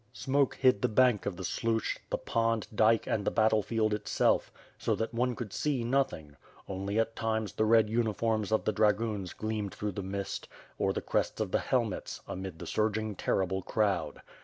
Smoke hid the bank of the Sluch, the pond, dike and the battlefield itself; so that one could see nothing; only at times the red uniforms of the dragoons gleamed through the mist, or the crests of the helmets, amid the surging terrible crowd.